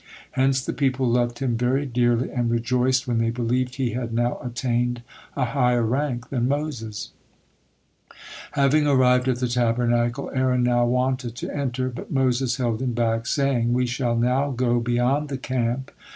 Hence the people loved him very dearly, and rejoiced when they believed he had now attained a higher rank than Moses. Having arrived at the Tabernacle, Aaron now wanted to enter, but Moses held him back, saying: "We shall now go beyond the camp."